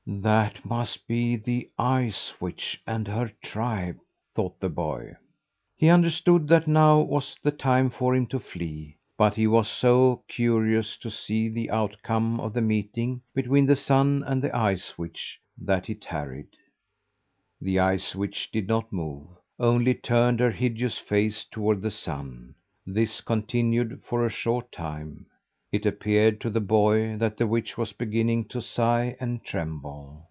"That must be the Ice Witch and her tribe," thought the boy. He understood that now was the time for him to flee, but he was so curious to see the outcome of the meeting between the Sun and the Ice Witch that he tarried. The Ice Witch did not move only turned her hideous face toward the Sun. This continued for a short time. It appeared to the boy that the witch was beginning to sigh and tremble.